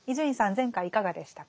前回いかがでしたか？